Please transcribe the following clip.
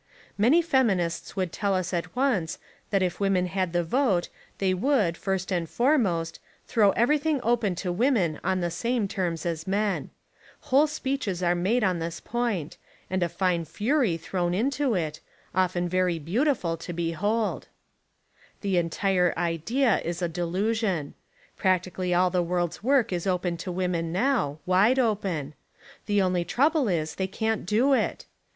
Many feminists would tell us at once that if women had the vote they would, first and foremost, throw everything open to women on the same terms as men. Whole speeches are 151 Essays and Literary Studies made on this point, and a fine fury thrown into it, often very beautiful to behold. The entire idea Is a delusion. Practically all of the world's work is open to women now, wide open. The only trouble is that they can't do it.